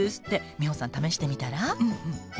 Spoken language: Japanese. ミホさん試してみたら？